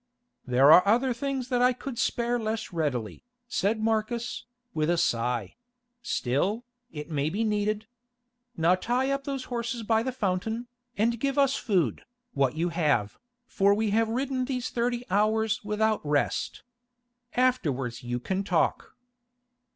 "There are other things that I could spare less readily," said Marcus, with a sigh; "still, it may be needed. Now tie up those horses by the fountain, and give us food, what you have, for we have ridden these thirty hours without rest. Afterwards you can talk."